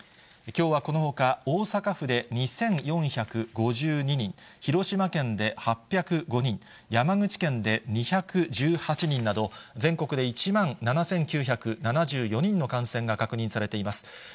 きょうはこのほか、大阪府で２４５２人、広島県で８０５人、山口県で２１８人など、全国で１万７９７４人の感染が確認されています。